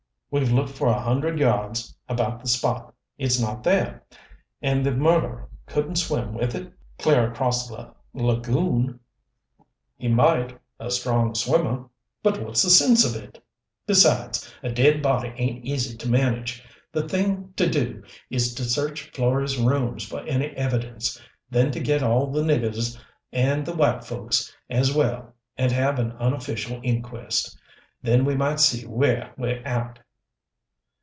We've looked for a hundred yards about the spot. It's not there. And the murderer couldn't swim with it clear across the lagoon." "He might, a strong swimmer." "But what's the sense of it? Besides, a dead body ain't easy to manage. The thing to do is to search Florey's rooms for any evidence, then to get all the niggers and the white folks as well and have an unofficial inquest. Then we might see where we're at."